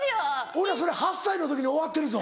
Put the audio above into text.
おいらそれ８歳の時に終わってるぞ。